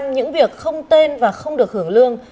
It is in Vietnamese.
bảy mươi năm những việc không tên và không được hưởng lương